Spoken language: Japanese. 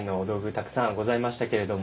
たくさんございましたけれども。